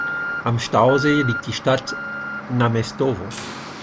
Am Stausee liegt die Stadt Námestovo.